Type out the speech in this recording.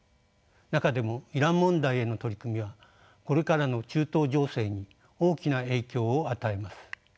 中でもイラン問題への取り組みはこれからの中東情勢に大きな影響を与えます。